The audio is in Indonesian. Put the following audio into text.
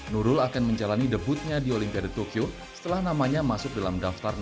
nurul akan menjalani debutnya di olimpiade tokyo setelah namanya masuk dalam daftar